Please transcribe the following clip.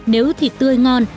nếu thịt tươi ngon